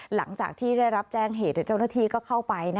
หลังจากที่ได้รับแจ้งเหตุเจ้าหน้าที่ก็เข้าไป